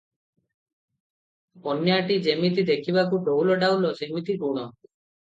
କନ୍ୟାଟି ଯେମିତି ଦେଖିବାକୁ ଡଉଲ ଡାଉଲ, ସେମିତି ଗୁଣ ।